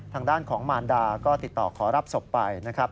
ทางด้านของมารดาก็ติดต่อขอรับศพไปนะครับ